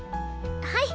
はい。